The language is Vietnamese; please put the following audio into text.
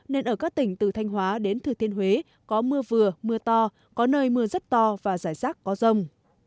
nên ở các tỉnh từ thanh hóa đến thừa thiên huế có mưa vừa mưa to có nơi mưa rất to và rải rác có rông